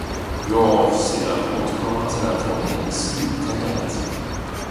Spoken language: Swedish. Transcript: Vi avser att återkomma till den frågan i slutbetänkandet.